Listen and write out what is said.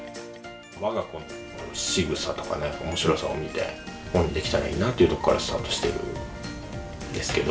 わが子のしぐさとかね、おもしろさを見て、本にできたらいいなというところからスタートしてるんですけど。